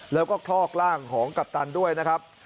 แล้วก็คลอกร่างของกัปตันด้วยนะครับ